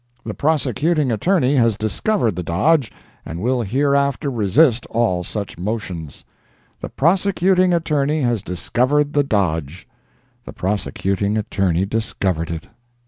The Prosecuting Attorney has discovered the dodge, and will hereafter resist all such motions. "The Prosecuting Attorney has discovered the dodge"—the Prosecuting Attorney discovered it!